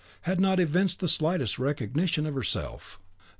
had not evinced the slightest recognition of herself.